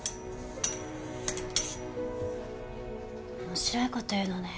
面白いこと言うのね。